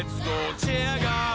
チェアガール！」